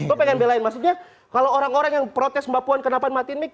gue pengen belain maksudnya kalau orang orang yang protes mbak puan kenapa matiin mic